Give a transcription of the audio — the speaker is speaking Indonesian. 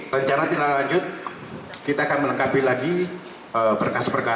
rencana tindakan lanjut kita akan melengkapi lagi perkasa perkasaan